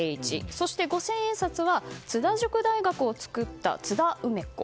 そして五千円札は津田塾大学を作った津田梅子。